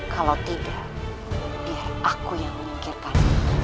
kalau tidak biar aku yang menyingkirkan